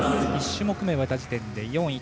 １種目め終えた時点で４位。